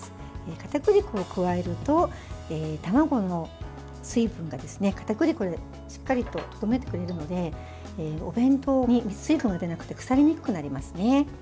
かたくり粉を加えると卵の水分を、かたくり粉がしっかりとまとめてくれるのでお弁当に水分が出なくて腐りにくくなりますね。